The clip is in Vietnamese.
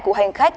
của hành khách